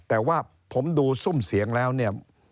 แต่ว่าผมดูซุ่มเสียงแล้วเนี่ย